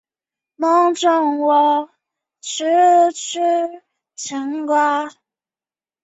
倪氏碘泡虫为碘泡科碘泡虫属的动物。